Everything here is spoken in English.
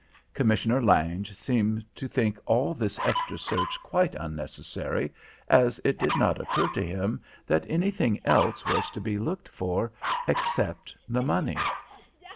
Commissioner Lange seemed to think all this extra search quite unnecessary, as it did not occur to him that anything else was to be looked for except the money.